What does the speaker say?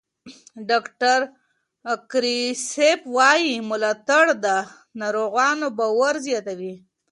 ډاکټر کریسپ وایي ملاتړ د ناروغانو باور زیاتوي.